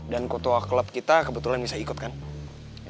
dan kotua klub kita kebetulan bisa ikut kan ya